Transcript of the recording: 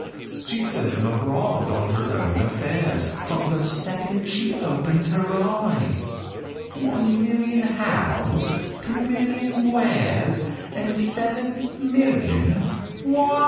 She sends 'em abroad on her own affairs, From the second she opens her eyes One million Hows, two million Wheres, And seven million Whys!